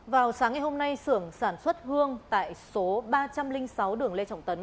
vào sáng ngày hôm nay sưởng sản xuất hương tại số ba trăm linh sáu đường lê trọng tấn